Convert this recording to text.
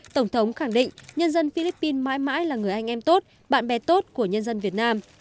tổng thống khẳng định nhân dân philippines mãi mãi là người anh em tốt bạn bè tốt của nhân dân việt nam